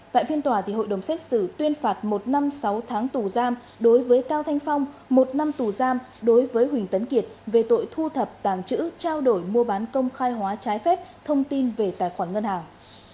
tại phiên tòa hội đồng xét xử tuyên phạt một năm sáu tháng tù giam đối với cao thanh phong một năm tù giam đối với huỳnh tấn kiệt về tội thu thập tàng chữ trao đổi mua bán công khai hóa trái phép thông tin về tài khoản ngân hàng